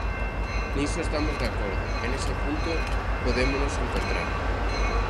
Niso estamos de acordo e nese punto podémonos encontrar.